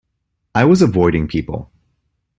I was avoiding people.